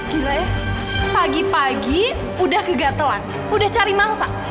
gila ya pagi pagi udah kegatelan udah cari mangsa